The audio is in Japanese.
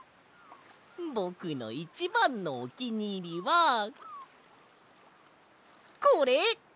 ぼくのいちばんのおきにいりはこれ！